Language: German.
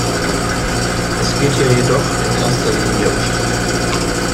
Es geht hier jedoch in erster Linie um Strategie.